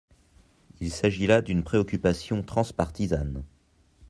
Il s’agit là d’une préoccupation trans-partisane.